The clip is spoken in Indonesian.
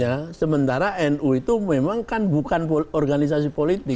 ya sementara nu itu memang kan bukan organisasi politik